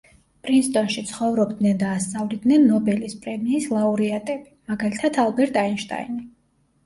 პრინსტონში ცხოვრობდნენ და ასწავლიდნენ ნობელის პრემიის ლაურეატები, მაგალითად ალბერტ აინშტაინი.